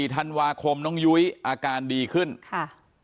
ธันวาคมน้องยุ้ยอาการดีขึ้นค่ะ